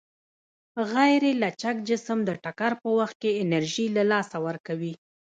غیرلچک جسم د ټکر په وخت کې انرژي له لاسه ورکوي.